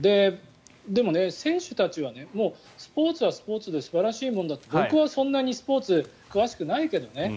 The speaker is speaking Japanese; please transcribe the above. でも選手たちはスポーツはスポーツで素晴らしいものだって僕はそんなにスポーツ、詳しくないけどね。